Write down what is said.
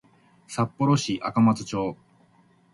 札幌市赤松町